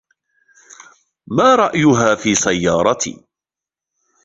ما رأيها في سيارتي ؟